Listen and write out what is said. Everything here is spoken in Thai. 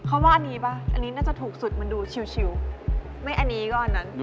ว่าอันนี้ป่ะอันนี้น่าจะถูกสุดมันดูชิวไม่อันนี้ก็อันนั้น